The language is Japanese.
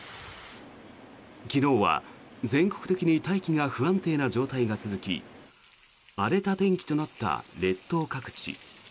昨日は全国的に大気が不安定な状態が続き荒れた天気となった列島各地。